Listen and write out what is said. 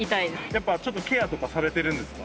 やっぱちょっとケアとかされてるんですか？